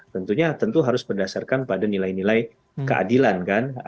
tentunya tentu harus berdasarkan pada nilai nilai keadilan kan